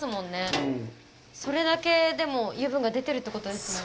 それだけでも油分が出てるってことですもんね。